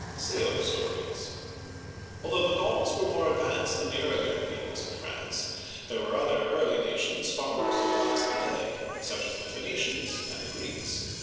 SAILOR STORIES ALTHOUGH the Gauls were more advanced than the earlier peoples in France, there were other early nations far more civilized than they — such as the Phcen!' cians and the Greeks.